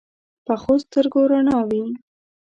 پخو سترګو رڼا وي